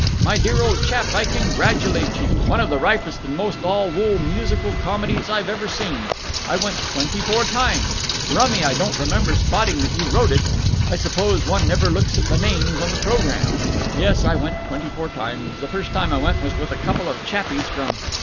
"My dear old chap, I congratulate you! One of the ripest and most all wool musical comedies I've ever seen. I went twenty four times. Rummy I don't remember spotting that you wrote it. I suppose one never looks at the names on the programme. Yes, I went twenty four times The first time I went was with a couple of chappies from...."